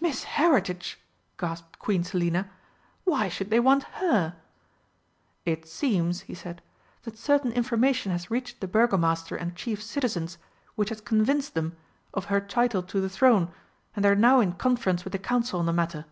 "Miss Heritage!" gasped Queen Selina. "Why should they want her?" "It seems," he said, "that certain information has reached the Burgomaster and chief citizens which has convinced them of her title to the throne, and they are now in conference with the Council on the matter."